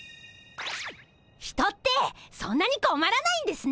人ってそんなにこまらないんですね！